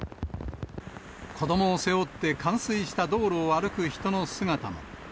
子どもを背負って、冠水した道路を歩く人の姿も。